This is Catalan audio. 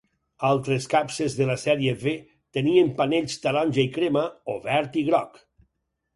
Altres capses de la sèrie V tenien panells taronja i crema o verd i groc.